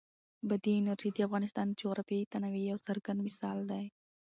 بادي انرژي د افغانستان د جغرافیوي تنوع یو څرګند مثال دی.